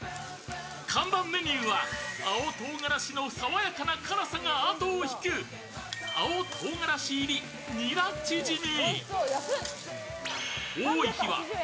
看板メニューが青唐辛子の爽やかな辛さが後を引く青唐辛子入りニラチヂミ。